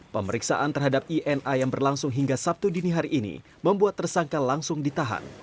pemeriksaan terhadap ina yang berlangsung hingga sabtu dini hari ini membuat tersangka langsung ditahan